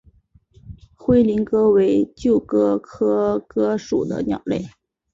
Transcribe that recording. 灰林鸽为鸠鸽科鸽属的鸟类。